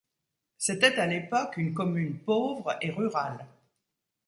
C'était à l'époque une commune pauvre et rurale.